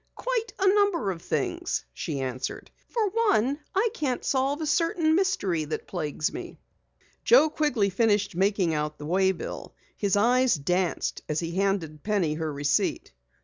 "Quite a number of things," she answered. "For one, I can't solve a certain mystery that plagues me." Joe Quigley finished making out the way bill. His eyes danced as he handed Penny her receipt.